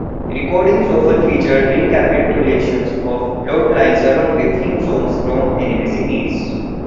Recordings often featured recapitulations of plotlines along with theme songs from anime series.